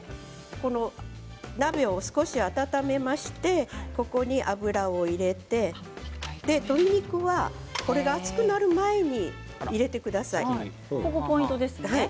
鍋を少し温めましてここに油を入れて鶏肉は熱くなる前に入れてください。